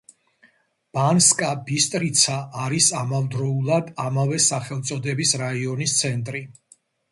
ბანსკა-ბისტრიცა არის ამავდროულად ამავე სახელწოდების რაიონის ცენტრი.